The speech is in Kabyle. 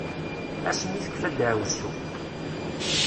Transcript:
Ass mi tekfa daɛwessu.